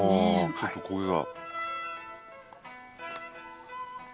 ちょっと焦げが。